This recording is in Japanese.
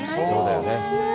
そうだよね。